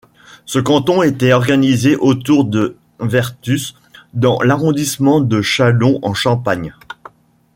Ce canton était organisé autour de Vertus dans l'arrondissement de Châlons-en-Champagne.